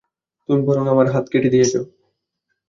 তুমি বরং আমার হাত কেটে দিয়েছ।